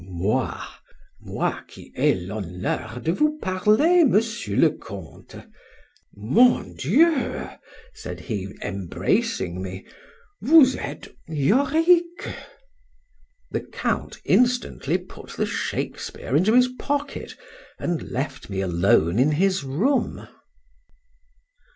—Moi,—moi qui ai l'honneur de vous parler, Monsieur le Comte.—Mon Dieu! said he, embracing me,—Vous êtes Yorick! The Count instantly put the Shakespeare into his pocket, and left me alone in his room.